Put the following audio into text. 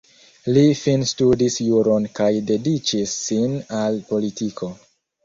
Li finstudis juron kaj dediĉis sin al politiko.